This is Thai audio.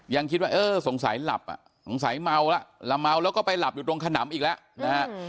ยังคิดว่าเอ๊ะสงสัยหลับสงสัยเมาแล้วแล้วก็ไปหลับอยู่ตรงขนำอีกแล้ว